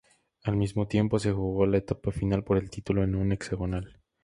Al mismo tiempo, se jugó la etapa final por el título, en un hexagonal.